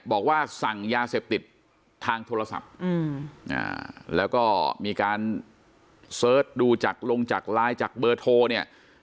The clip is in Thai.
บอกว่าสั่งยาเสพติดทางโทรศัพท์แล้วก็มีการเสิร์ชดูจากลงจากไลน์จากเบอร์โทรเนี่ย